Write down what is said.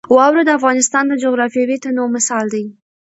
واوره د افغانستان د جغرافیوي تنوع مثال دی.